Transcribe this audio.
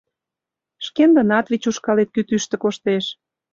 Шкендынат вич ушкалет кӱтӱштӧ коштеш.